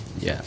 giết ai rồi